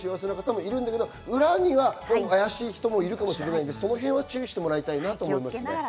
裏には、あやしい人もいるかもしれない、その辺は注意してもらいたいなと思います。